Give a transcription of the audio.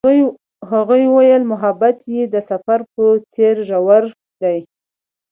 هغې وویل محبت یې د سفر په څېر ژور دی.